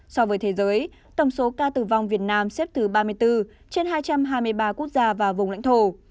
so với thế giới tổng số ca tử vong việt nam xếp thứ ba mươi bốn trên hai trăm hai mươi ba quốc gia và vùng lãnh thổ